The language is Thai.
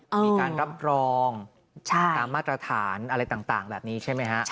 มีการรับรองตามมาตรฐานอะไรต่างแบบนี้ใช่ไหมฮะ